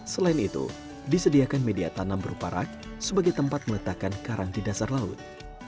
selain itu disediakan media tanam berupa rak sebagai tempat meletakkan karang di dasar laut